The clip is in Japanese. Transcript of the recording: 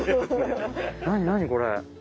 何何これ。